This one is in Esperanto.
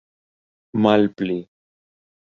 malpli